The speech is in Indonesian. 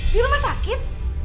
di rumah sakit